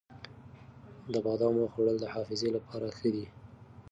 د بادامو خوړل د حافظې لپاره ښه دي.